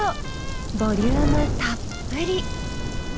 ボリュームたっぷり。